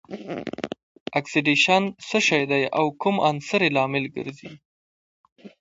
اکسیدیشن څه شی دی او کوم عنصر یې لامل ګرځي؟